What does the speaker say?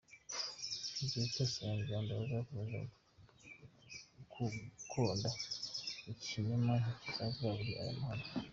Igihe cyose abanyarwanda bazakomeza gukonda ikinyoma ntituzava muri aya mahano.